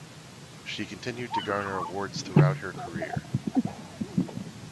She continued to garner awards throughout her career.